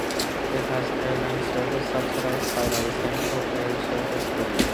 It has airline service subsidized by the Essential Air Service program.